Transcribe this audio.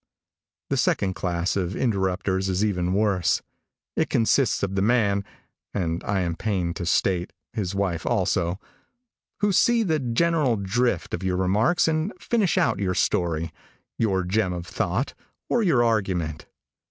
The second class of interrupters is even worse. It consists of the man and, I am pained to state, his wife also who see the general drift of your remarks and finish out your story, your gem of thought or your argument.